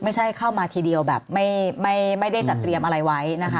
เข้ามาทีเดียวแบบไม่ได้จัดเตรียมอะไรไว้นะคะ